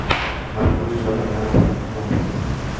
Martínez Barragán, Tomás.